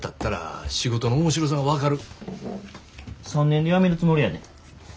３年で辞めるつもりやで。